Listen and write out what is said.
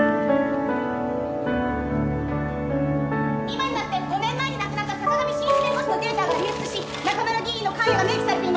今になって５年前に亡くなった坂上真一弁護士のデータが流出し仲村議員の関与が明記されています。